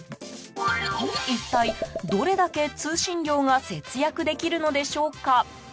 一体、どれだけ通信料が節約できるのでしょうか。